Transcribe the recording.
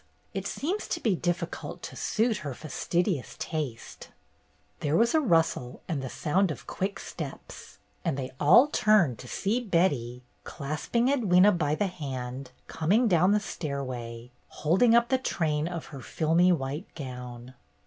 It seems to be difficult to suit her fastidious taste." 298 BETTY BAIRD'S GOLDEN YEAR There was a rustle and the sound of quick steps, and they all turned to see Betty, clasping Edwyna by the hand, coming down the stair way, holding up the train of her filmy white gown.